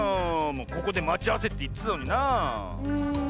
ここでまちあわせっていってたのになあ。